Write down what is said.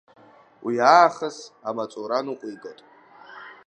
Уи аахыс амаҵура ныҟәигоит.